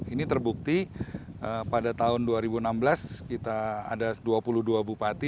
ini terbukti pada tahun dua ribu enam belas kita ada dua puluh dua bupati